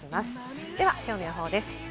ではきょうの予報です。